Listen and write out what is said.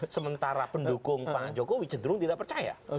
sementara pendukung pak jokowi cenderung tidak percaya